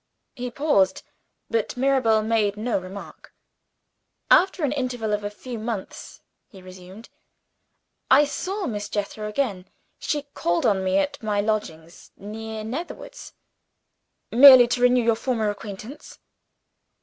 He paused but Mirabel made no remark. "After an interval of a few months," he resumed, "I saw Miss Jethro again. She called on me at my lodgings, near Netherwoods." "Merely to renew your former acquaintance?"